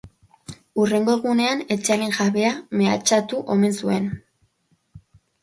Hurrengo egunean, etxearen jabea mehatxatu omen zuen.